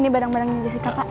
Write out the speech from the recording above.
ini barang barangnya jessica pak